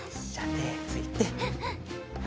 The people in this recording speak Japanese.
てついて。